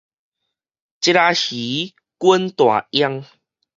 鯽仔魚滾大泱